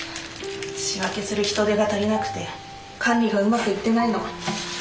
仕分けする人手が足りなくて管理がうまくいってないの。